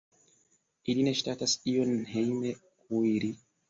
Ili ne ŝatas ion hejme kuiri.